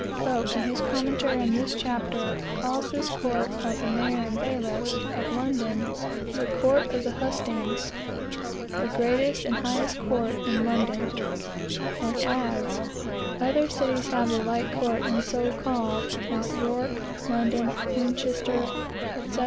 Coke, in his commentary on this chapter, calls this court of "the mayor and bailiffs" of London, " the court of the hustings, the greatest and highest court in London;" and adds, "other cities have the like court, and so called, as York, Lincoln, Winchester, &e.